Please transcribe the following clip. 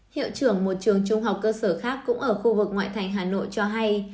hiệu trưởng một trường trung học cơ sở khác cũng ở khu vực ngoại thành hà nội cho hay